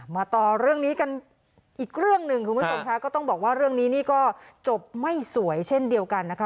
มาต่อเรื่องนี้กันอีกเรื่องหนึ่งคุณผู้ชมค่ะก็ต้องบอกว่าเรื่องนี้นี่ก็จบไม่สวยเช่นเดียวกันนะคะ